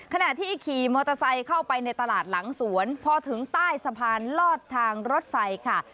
ขณะที่ขี่มอเตอร์ไซค์เข้าไปในตลาดหลังสวนพอถึงใต้สะพานลอดทางรถไฟค่ะ